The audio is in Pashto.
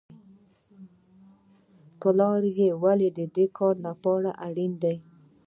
پلان ولې د کار لپاره اړین دی؟